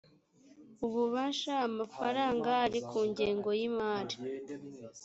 ububasha amafaranga ari ku ngengo y imari